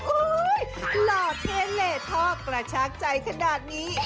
หล่อเทเลท่อกระชากใจขนาดนี้